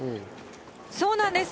そうなんです。